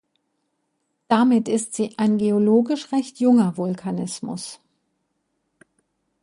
Damit ist sie ein geologisch recht junger Vulkanismus.